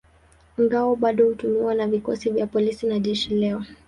Ngao bado hutumiwa na vikosi vya polisi na jeshi leo.